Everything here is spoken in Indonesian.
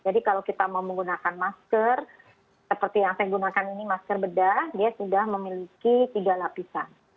jadi kalau kita mau menggunakan masker seperti yang saya gunakan ini masker bedah dia sudah memiliki tiga lapisan